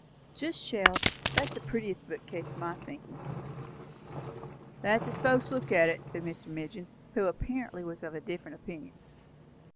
"Just shelves. That is the prettiest bookcase, to my thinking." "That's as folks looks at it," said Mr. Midgin, who apparently was of a different opinion.